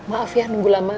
maaf ya nunggu lama